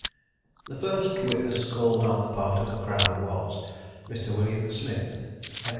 The first witness called on the part of the crown was Mr. William Smith (M.